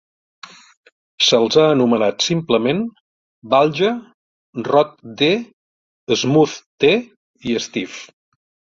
Se'ls ha anomenat simplement Balja, Rod D., Smooth T. i Steve.